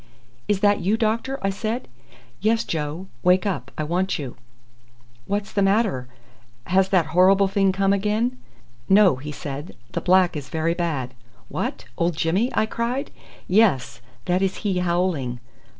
"Is that you, doctor?" I said. "Yes, Joe; wake up. I want you." "What's the matter has that horrible thing come again?" "No," he said; "the black is very bad." "What! old Jimmy?" I cried. "Yes. That is he howling."